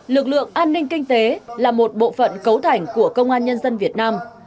lực lượng an ninh kinh tế là một bộ phận cấu thành của công an nhân dân việt nam